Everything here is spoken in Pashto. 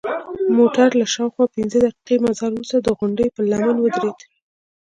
موټر له شاوخوا پنځه دقیقې مزل وروسته د غونډۍ پر لمنه ودرید.